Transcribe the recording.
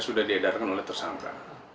sudah diedarkan oleh tersangka